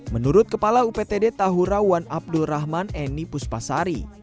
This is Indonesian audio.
menurut kepala uptd tahu rawan abdul rahman eni puspasari